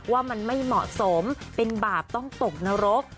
ว่ามันไม่เหมาะสมเป็นบาปต้องตกนรก